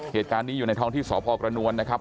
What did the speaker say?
เหตุการณ์นี้อยู่ในท้องที่สพกระนวลนะครับ